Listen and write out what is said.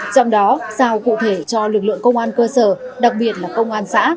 trong đó sao cụ thể cho lực lượng công an cơ sở đặc biệt là công an xã